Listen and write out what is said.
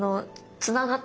つながった？